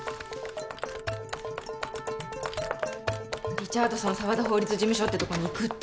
リチャードソン澤田法律事務所ってとこに行くって。